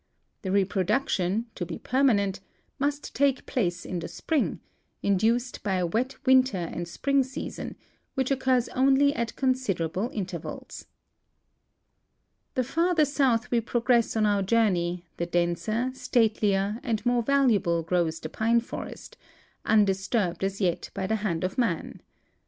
The reproduction, to be per manent, must take place in the spring, induced by a wet winter and spring season, which occurs only at considerable intervals The farther south we progress on our journey the denser, state lier, and more valuable grows the pine forest, undisturbed as yet b}' the hand of man.